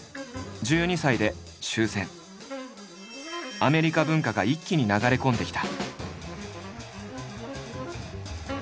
アメリカ文化が一気に流れ込んできた。